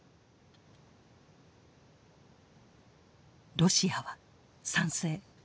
ロシアは賛成。